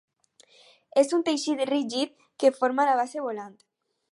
És un teixit rígid que forma la base volant.